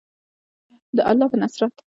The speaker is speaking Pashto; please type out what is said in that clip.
د الله په نصرت.